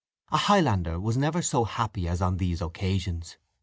A Highlander was never so happy as on these occasions.